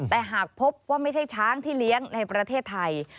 แต่หากพบว่าไม่ใช่ช้างที่เลี้ยงในประเทศไทย